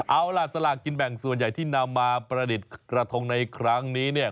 เอาล่ะสลากกินแบ่งส่วนใหญ่ที่นำมาประดิษฐ์กระทงในครั้งนี้เนี่ย